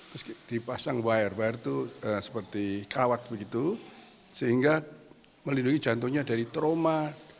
terus dipasang wire wire itu seperti kawat begitu sehingga melindungi jantungnya dari trauma